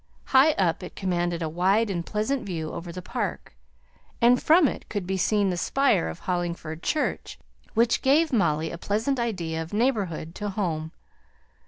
High up, it commanded a wide and pleasant view over the park, and from it could be seen the spire of Hollingford Church, which gave Molly a pleasant idea of neighbourhood to home.